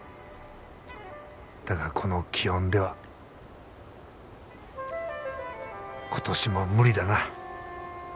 だがこの気温では今年も無理だな。